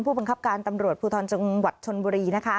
ผู้บังคับการตำรวจภูทรจังหวัดชนบุรี